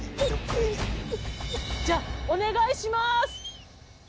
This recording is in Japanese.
じゃあお願いします！